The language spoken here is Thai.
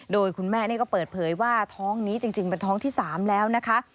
โดยคุณแม่นี่ก็เปิดเผยว่าท้องนี้จริงเป็นท้องที่๓แล้วนะคะ